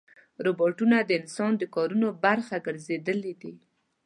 روباټونه د انسان د کارونو برخه ګرځېدلي دي.